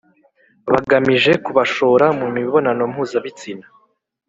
bagamije kubashora mu mibonano mpuzabitsina?